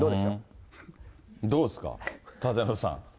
どうですか、舘野さん。